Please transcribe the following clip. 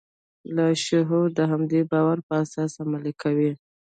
لاشعور د همدې باور پر اساس عمل کوي